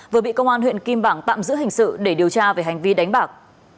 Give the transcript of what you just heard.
vừa bị công an huyện kim bảng tạm giữ hình sự để điều tra về hành vi đánh bạc